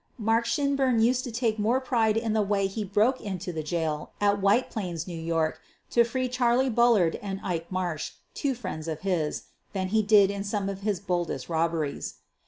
Mark Shinburn used to take more pride in the way he broke into the jail at White Plains, New York, to free Charley Bullard and Ike Marsh, two friends of his, than he did in some of his boldest robberies.